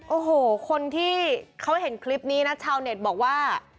โอ้โหคนที่เขาเห็นคลิปนี้นะชาวเน็ตบอกว่า